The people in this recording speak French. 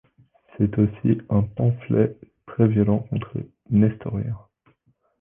C'est aussi un pamphlet très violent contre les nestoriens.